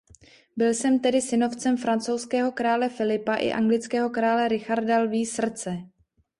Byl tedy synovcem francouzského krále Filipa i anglického krále Richarda Lví srdce.